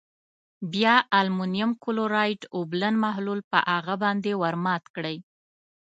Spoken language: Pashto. بیا المونیم کلورایډ اوبلن محلول په هغه باندې ور زیات کړئ.